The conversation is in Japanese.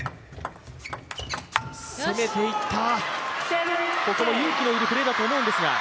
攻めていった、ここも勇気の要るプレーだと思いますが。